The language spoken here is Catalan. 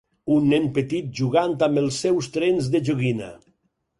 Un nen petit jugant amb el seus trens de joguina.